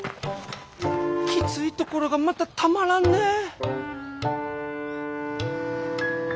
きついところがまたたまらんねぇ。